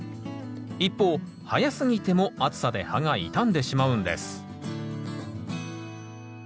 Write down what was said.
一方早すぎても暑さで葉が傷んでしまうんです